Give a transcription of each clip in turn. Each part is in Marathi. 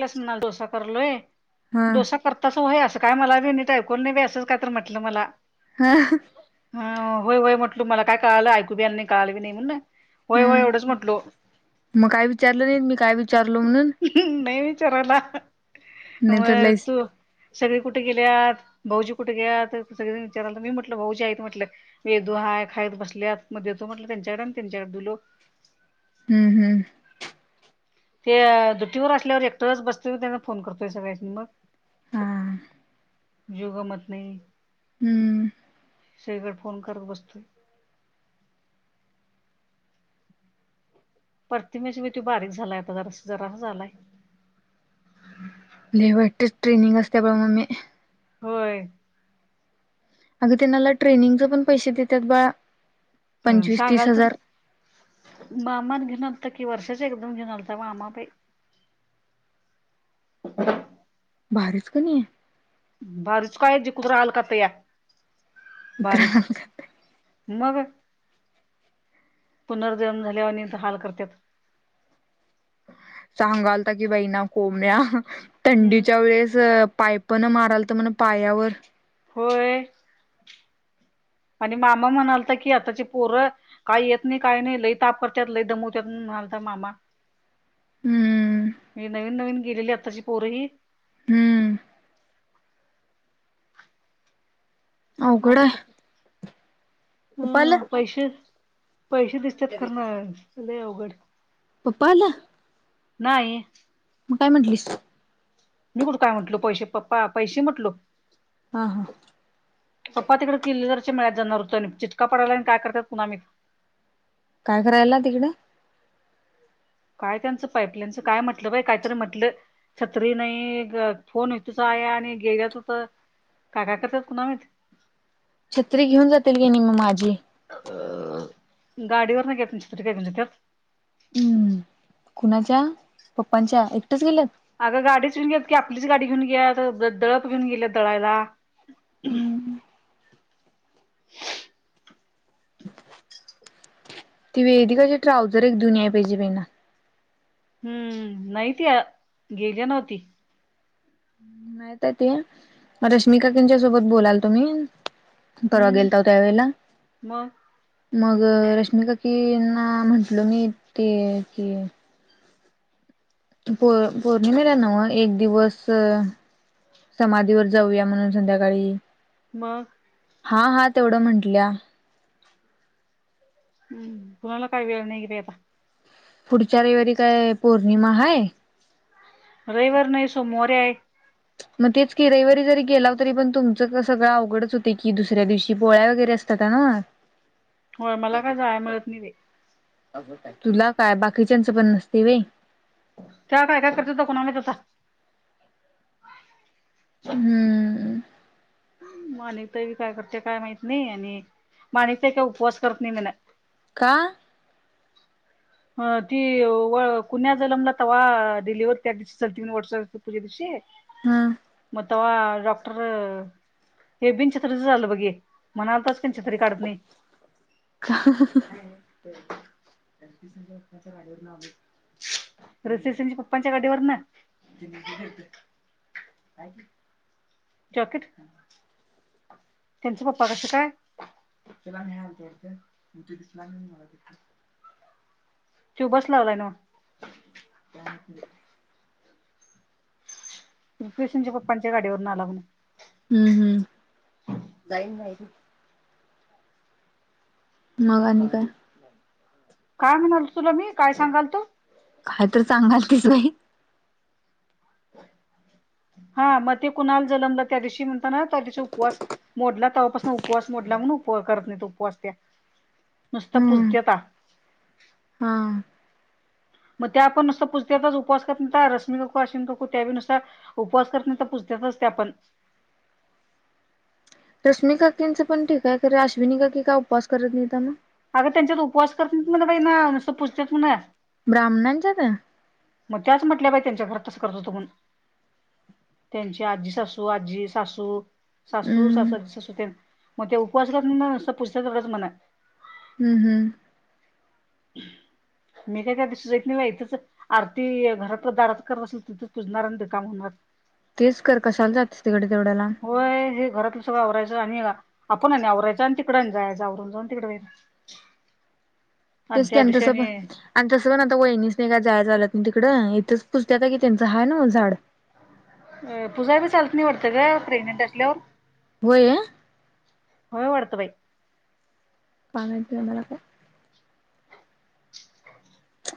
लास म्हणा डसा करलोय हा डोसा परतसं होय असं काय मला वि नट ऐकून नाही बी असं का तर म्हटलं मला हा. हा होय होय म्हंटल मला काय का कळालं ऐकू बी आणि कळालं नाही म्हण ना. हम्म मग काय विचारलं नाही मी काय विचारलो म्हणून नाही विचारायला नाही म तर लईच तू सगळी कुठे गेल्यात भाऊजी कुठेहत सगळे विचारला मी म्हटलं भाऊजी आहेत म्हटलं. वेदू हा खायत बसल्या मध्ये तो म्हटलं त्यांच्याकडे आणि त्यांच्याकडे दु लोक. हम्म हम्म. ते द्युटी ववर असल्यावर एकटरच बसतो त्यांना फोन करतोय सगळ्यांनी मग हा जो गमत नाही. हम्म सगळीकडे फोन करत बसतोय. परतिमेशीि तू बारीक झालाय आता जरास जरा झालाय. ल वाटतच ट्रेनिंग असते ब मग मी होय. अगं त्यांनाला ट्रेनिंगचे पण पैसे देतात बाळा हम पंचवीस तीस सांगाल तरू हजार मामा घेणार तर कि वर्षाच एकदम घेणार तर मामा प बाारीच क नाही आहे. बारीच काय जी कतहाल कात या बारीच आहे मग पुनर्जन्म झाल्यावरनंत हाल करतात. सांगालता की बाई ना कोंब्या हम्म थंडीच्या वेळेस पाप पण माराल तर म्हण पायावर होय. आणि मामा म्हणाल तर की आताची पोरं काही येत नाही काही नाही लई ताप करतत लय दमवतत म्हलता मामा. हम्म मी नवीन नवीन गेलेली आत्ताशी पोरीही हम्म. अवघड अलका. आहे पप्पा हम आलं पैसे पैसे दिसतात करणार अवघड प्पाला नाही. म काय म्हंटलीस. मी कुठं काय म्हटलो पैसे पप्पा पैसे म्हटलो. हा हा. पप्पा तिकक किल्ल्यारश मिळत जाणारृत आणि चिटका पडालाय काय करत पुन्हा मी काय करायला तिकडें. काय त्यांचं पाईपलाईनचं काय म्हटलं बा काहीतरी म्हटलं. छत्री नाही फोन य तच आहे आणि गेल्याच हो तर काका कायकाय कर्त्यात छत्री घेऊन जातील की नाही मग माझी अ गाडीवर नाही का तुमच्या तरी काय तुमच्या त्यात हम्म कुणाच्या पप्पांच्या एकटेच गेल्यात. अगं गाडीच घेऊन घ्यात की आपलीच गाडी घेऊन घ्या दळप घेऊन गेल्यात दळायला. हम्म ती वेदी कशी ट्राउझर एक दुनिया पाहिजे पहि ना हम्म नाहीती गेली नव्हती. माहत आहे ते रश्मिका त्याच्या सोबत बोलातो मी. परवा हम्म गेलताव त्या वेळेला मग मग रश्मीिका कीना म्हंटल मी ते की प पौर्णिमेला नव एक दिवस समाधीवर जाऊया म्हणून संध्याकाळी. मग. हा हा तेवढं म्हंटल्या. हम्म तुणा्हाला काही वेळ नाही क पता पुढच्या रविवारी काय पौर्णिमा आहे. रविवर नाही सोमवारी आहे. मग तेच किरईवारी जरी गेला तरी पण तुमचं सगळं अवडच होते की दुसऱ्या दिवशी पोळ्या वगैरे असतात ना. [inaudible] काय जायला मिळत नाही बाई तुला काय बाकीच्यांचं पण नसते वई. काय काय काय करर्च दो कोणा होता [unintelligible] हम्म. माणिकता बी काय करते काय माहित नाही आणि माणिकताही काय उपवास करत नाही मन. का. ह ती कुण्या जलंमला त वा डिलिवर्ह त्या त वर् असोूजे दिवशी [unintelligible] हम. म तवा डॉक्टर हे बीनछत्रीचं ललं बघे म्हणाल तरच काी छितत्री काढत नाही. हा हा. च्या गडीवर ऋस स पप्पांच्या गाडीवर ना. हे [unintelligible] जॉकेट. त्यांचं पप्पा कसं कायला दिस त्यो बस लावलाय ना व. रुपेश प्पच्या गाडीवरुन आला. हम्म हम्म जाईन नाही. मग आणि काय? काय म्हणालतो तुला मी काय सांगालतो? काय तर सांगालतीस बाई. हा मग ते कुणाल जनमला त्या दिवशी म्हणता ना त्या दिवशी उपवास मोडला तवपासून उपवास मोडला म्हण उप करत नाही तो उपवास त्या नुसतं हम्म पूजत्यात हा. मग त्या आपण नुसत पुजतेच उपवा कर रश्मीको अेको त्या नुसार उपवास करता नाही तर पूजत्यात त्या पण रश्मी काकींचं पण ठीक आहे खरे अश्विनी काकी का उपवास करत नाहीत मग अगं त्यांच्यात उपवास करत नाहीत म्हण बाई नुसत पुजत्यात म्हण ब्राह्मणांच्यात मग त्याच म्हटल्या बाई त्यांच्या घरात तसं करत हुतो म्हणून त्यांची आजी सासू, आजी, सासू सासू हम्म सासू आजी सासू तेन मग ते उपवासल्या पुजतात तेवढंच मना हुं हुं मी काय त्या दिवशी जाईत नाही बाई इथच आरती घरातच दाराच करत असेल तिथंच पूजनार आणि रिकामं होणार तेच कर कशाला जातीस तिकडं तेवढ्या लांब होय हे घरातलं सगळं आवरायचं आणि आपण आणि आवरायचं आणि तिकडं जायाच आवरून जाऊन दे तिकडं बाई [unintelligible] तेच की आणि तसं पण आणि तसं पण आता वहिनीसनी काय जायाय चालंत तिकडं इथंच पूजत्यातकी त्यांचं आहे नवं झाड अं पुजायला चालत नाही वाटतं ग प्रेग्नेंट असल्यावर होय होय वाढतं बाई काय माहित नाही मला काय.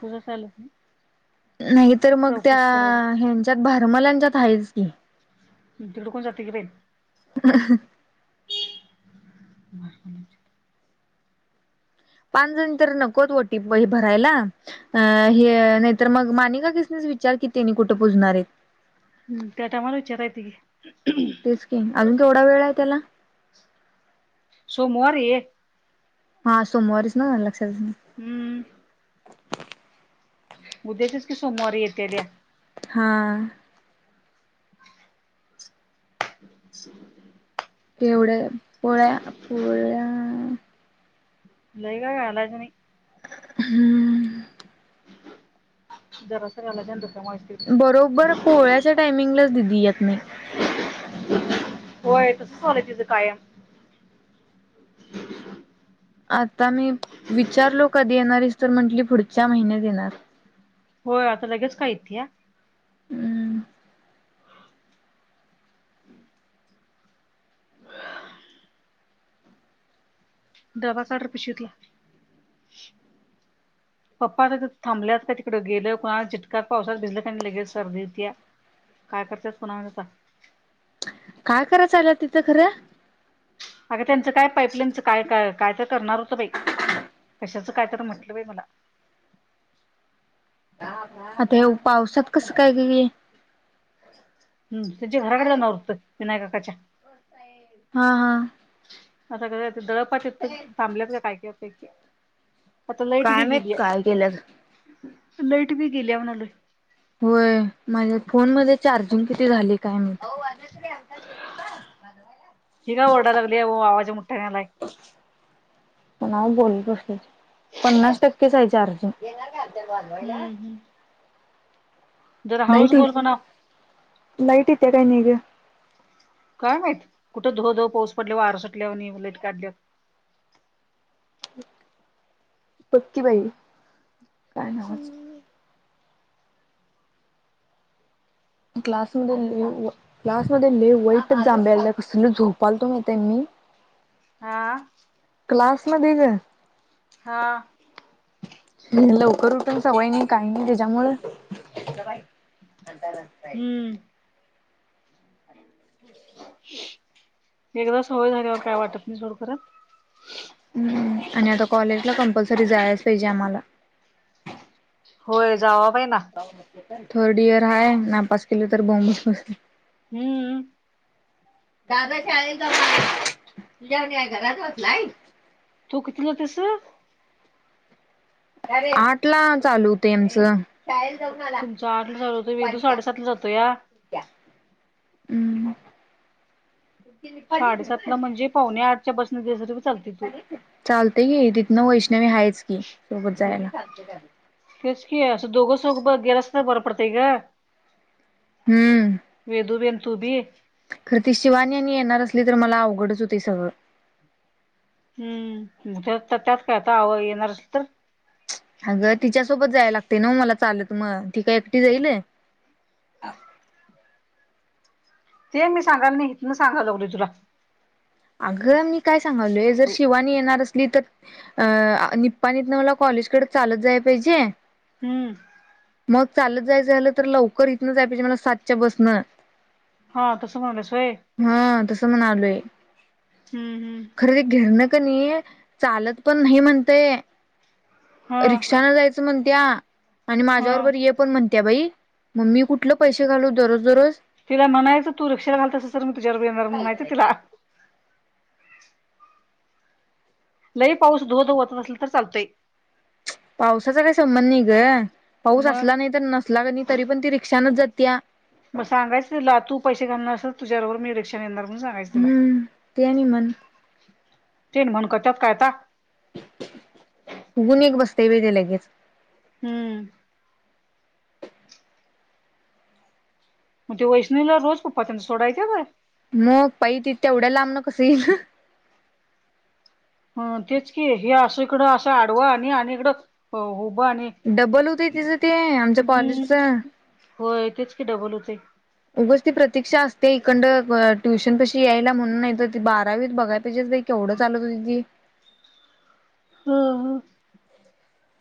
पूजाय चालत नाही नाही तर मग त्या चौकशी करायला लागते ह्यांच्यात भारमलांच्यात आहेच की तिकडे कोण जातयं ग बाई पाच जणी तर नकोत ओटीत बाई भरायला अ हे नाहीतर मग मानिका तेनासनीच विचार की तेनी कुठे पुजणार आहेत? हूं त्या टायमाला विचारायचं की तेच की अजून केवढा वेळ आहे त्याला सोमवारी हा सोमवारीच नवं लक्षातच नाही हूं उद्याच्याच की सोमवारी येतेल्या हां [unintelligible] केवढ्या पोळ्या पोळ्या लई काय घालायचं नाही हूऊ जरासं घालायचं आणि रिकामं व्हायचं बरोबर पोळ्याच्या टायमिंगलाच दिदी येत नाही. होय तसच व्हालयं तिच कायम आता मी विचारलो कधी येणारीस तर म्हंटली पुढच्या महिन्यात येणार होय आता लगेच काय येत्या हम्म दवा काढ रपय शितला पप्पा आ थांबल्यात का तिकडडे गेलं कुणाला चितटका पावसात भिल्या का नाही लगेल सर्दी होती्या काय करतत पुन आता काय करायचं आला तिथं खरं अगं त्यांचं काय पाईपलाईनच काय काय कायतर करणार होतं बाई कशाच काय तर म्हंटलं बाई मला आता ह्यो पावसात कसं काय ग हे हम्म त्यांच्या घराकडं जाणार‌ हुतं विनायक‌ काकाच्या हा हा आता क कायतरी दळप आहे तिथं थांबलेत का काय माहिती आता लाईट काय बी माहित गेल्या, काय केल्यात लाईट बी गेली म्हणालोय. होय माझे फोन मध्ये चार्जिंग किती झाली काय मी हिग ओरडा लागली आहे आवाज मुठाण्यालाय प बोलस पन्नास टक्केचायचे अर्जुून जनग आेय बलयईला हम् हम् जर हळूच लाईट बोल ब ना लाईट इेते काय नग काय माहत कुठं धु धवऊ पाऊस पडल्यावर वारसटल्या आणि ललेट काढल्या पक्की बाई काय नावाज क्लास लास्ट मध्ये लले वाईटच जांबेला कसलं झोपालतो मा त्यां मी हा क्लास मध्ये ग ह लवकर उठून सवय नाही काही नाही त्याच्यामु हम्म अ एकदा सवय झाल्यावर काय वाटत नाही सोडखत ह् आणि आता कॉलेजला कंपल्सरी जायलाच पाहिजे आम्हाला होय जावा बाई ना. थोडी र हय नापस केलं तर बॉम्बस बसल हम्म दादा शाळेेत तुझ्या न घरात होतलाय तो कितीला तस आठ ला चालू होते आमचं का तुमचा आठ ला झाल होत वेदू साडेसात ला जातो या हम्म साडेसात ला म्हणजे पावणे आठच्या बसन दिस चालते तू चालते कि तिथनं वैष्णवी आहेच कि सोबत जायला तेच की असं दोघं स गेरसत बरं पडतय का वेदू बेन तू बी खरतीश शिवानी यांनी येणार असली तर मला अवघडच होती सगळं हम्म त्यात काय आता आवा येणार असल तर अगं तिच्यासोबत जायला लागते ना मला चालत मग ती काय एकटी जाईल ते मी सांगाल नाहीत ना सांगावं लागली तुला अगं मी काय सांगालोय जर शिवानी येणार असली तर अ निप्पा नित ना मला कॉलेज कडे चालत जाय पाहिजे हम्म मग चालत जायचं झालं तर लवकर इथनंचय पाहिजे मला सातच्या बसनं हा तसं माणूस होय. हा तसं म्हणालोय. हम्म हम्म.... खरेदी घेरणं क नाही चालत पण नाही म्हणतय. हा रिक्षा न जायचं म्हणत्या आणि माझ्या हा. बरोबर ये पण म्हणत्या बाई म मी कुठले पैसे घालू दररोज दररोज..... ति म्हणायच तू रिक्षा घालत असशील तर मी तुझ्याबरोबर येणार म्हणायचं तिला लय पाऊस धो धो वतत असल तर चालतय. पावसाचा काही संबंध नाही ग पाऊस मग असला नाही तर नसला कनी नाही तरी पण ती रिक्षाानच जातीया. मग सांगाच तिला तू पैसे घालणार असेल तुझ्यारोबर मी रिक्षा येणार म्हणून सांगायच तिला हम्म ते आणि म्हण तीन म्हणून [inaudible] फुगून एक बसतय व्हय तेे लगेच हम्म मग ते वैष्णवीला रोज पप्पा तेन सोडायला येत्यात. मग पायी ती तेवढ्या लांब न कसं येईल? ह तेच की हे अस इकडं असं आडवा आणि आणि इकडं उभं आणि डब्बल होते तिचं ते आमच्या कॉलेजचं हो य तेच की डबल होतय. उगच ती प्रतीक्षा असते हिकंड ट्युशन पाशी यायला म्हणून नाही तर त बारावीत बघाय पाहिजेस. केवढं चालत होती ती हा हा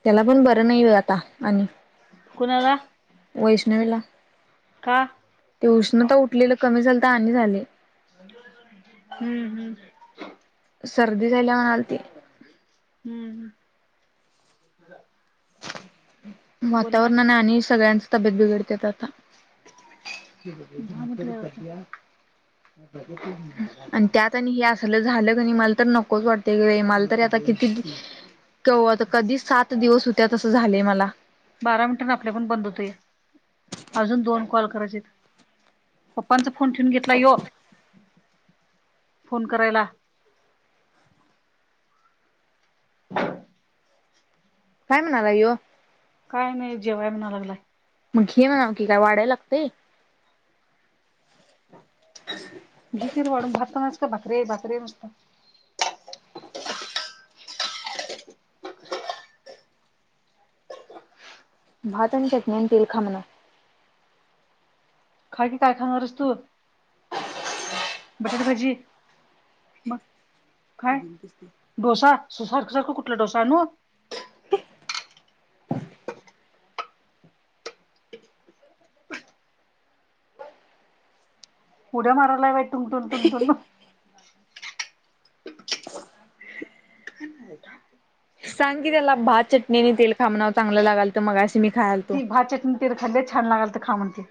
त्याला पण बरं नाही आहे आता आणि कुणाला? वैष्णवीला हा ते उष्णता उठलेलं कमी झालं आणि झालय. हम्म हम्म सर्दी झाल्या म्हणालती. हम्म ह वातावरणाने आणि सगळ्यांच तब्येत बिघडते आता दहा मिनिट बर वेळ आता कया. आणि त्यात आणि हे असल झालं कणी मला तर नकोच वाटते मला तर किती कवा कधी सात दिवस होत्या अस झालय मला बारा मिनिटांने आपल्या पण बंद होतोय अजून दोन कॉल करायचे आहेत. पप्पांचा फोन ठेवून घेतला यो फोन करायला. काय म्हणाला होय. काय नाही जेवाय म्हणाय लागलाय. मग घे ना की काय वाढाय लागतंय. घे किर वाढून भात खाणार आहेस की भाकरी भाकरी नुसता भात आणि चटणी तेल खा म्हणावं. खा की काय खाणार आहेस तू बटाटे भाजी मग काय डोसा सारख सारखा कुठला डोसा आणू? उद्या मारायलाय बाई टून टुन [unintelligible] [unintelligible] सांग की त्याला भात चटणी आणि तेल खा म्हणाव चांगलं लागालतं मगाशी मी खायालतो. ती भात चटणी तेर खल्लय छान लागालत खा म्हणती.